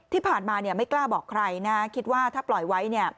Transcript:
ที่ผ่านมาไม่กล้าบอกใครนะคิดว่าถ้าปล่อยไว้เนี่ย